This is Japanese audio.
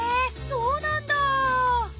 そうなんだ！